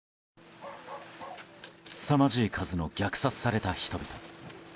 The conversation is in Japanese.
すさまじい数の虐殺された人々。